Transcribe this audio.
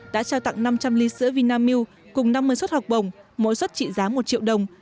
đã trao tặng năm trăm linh ly sữa vinamilk cùng năm mươi suất học bổng mỗi suất trị giá một triệu đồng